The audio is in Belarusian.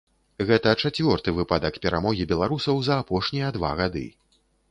Гэта чацвёрты выпадак перамогі беларусаў за апошнія два гады.